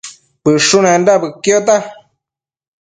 Bëshunenda bëquiota